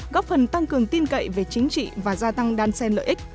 góp phần tăng cường tin cậy về chính trị và gia tăng đan sen lợi ích